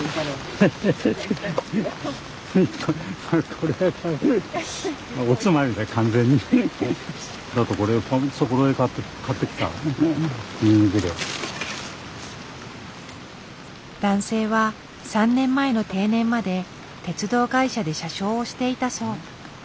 すごい。お鍋とかも男性は３年前の定年まで鉄道会社で車掌をしていたそう。